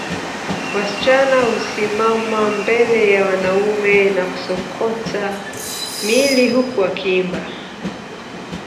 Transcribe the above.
Wasichana husimama mbele ya wanaume na kusokota miili huku wakiimba